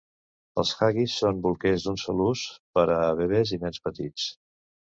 Els Huggies són bolquers d'un sol ús per a bebès i nens petits.